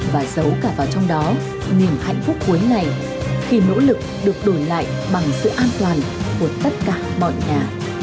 và giấu cả vào trong đó niềm hạnh phúc cuối ngày khi nỗ lực được đổi lại bằng sự an toàn của tất cả mọi nhà